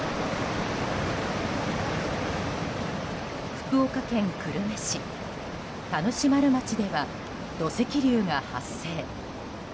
福岡県久留米市田主丸町では土石流が発生。